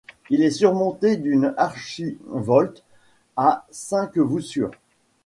Il est surmonté d'une archivolte à cinq voussures.